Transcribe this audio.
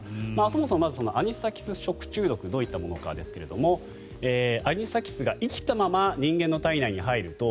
そもそも、まずアニサキス食中毒どういったものかですがアニサキスが生きたまま人間の体内に入ると